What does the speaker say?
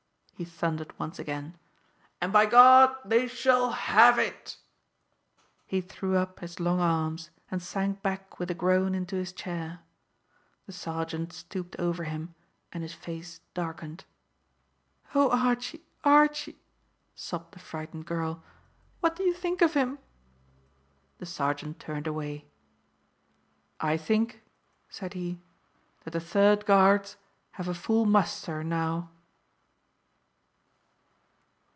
he thundered once again, "and, by God, they shall have it!" He threw up his long arms, and sank back with a groan into his chair. The sergeant stooped over him, and his face darkened. "Oh, Archie, Archie," sobbed the frightened girl, "what do you think of him?" The sergeant turned away. "I think," said he, "that the Third Guards have a full muster now."